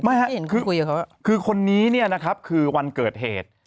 ไม่ฮะคือคนนี้เนี่ยนะครับคือวันเกิดเหตุ